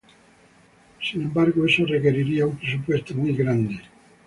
Sin embargo, eso requeriría un presupuesto muy grande.